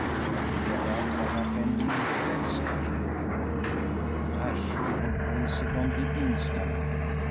She can do that by upending the bedstead! Rash she would raise it on the instant.